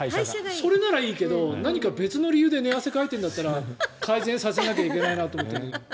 それならいいけど何か別の理由で寝汗をかいてるんだったら改善させなきゃいけないなと思って。